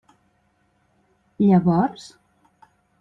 Llavors?